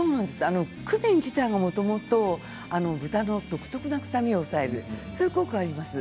クミン自体もともと豚の独特の臭みを抑えるそういう効果があります。